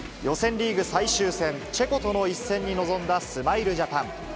予選リーグ最終戦、チェコとの一戦に臨んだスマイルジャパン。